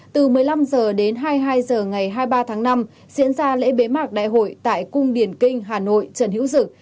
từ một mươi năm h đến hai mươi hai h ngày hai mươi ba tháng năm diễn ra lễ bế mạc đại hội tại cung điển kinh hà nội trần hữu dực